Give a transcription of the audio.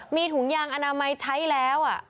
มีถุงยางอนามัยใช้แล้ว